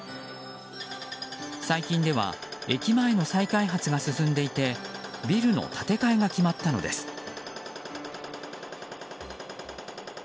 最近では駅前の再開発が進んでいてビルの建て替えが決まったのです。